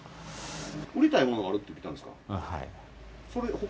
売りたいものがあるって言ったんですか？